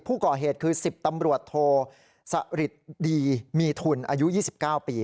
ผู้ก่อเหตุคือ๑๐ตำรวจโทสริตดีมีทุนอายุ๒๙ปี